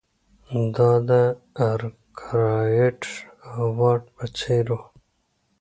دا د ارکرایټ او واټ په څېر وو.